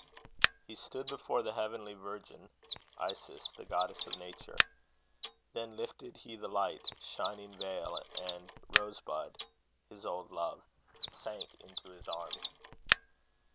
He stood before the heavenly Virgin (Isis, the Goddess of Nature). Then lifted he the light, shining veil, and Rosebud (his old love) sank into his arms.